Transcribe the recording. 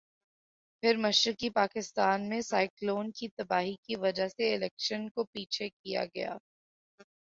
پھر مشرقی پاکستان میں سائیکلون کی تباہی کی وجہ سے الیکشن کو پیچھے کیا گیا۔